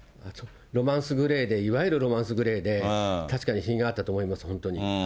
ロマンスグレーで、いわゆるロマンスグレーで、確かに品があったと思います、本当に。